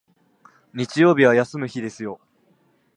日曜日は休む日ですよ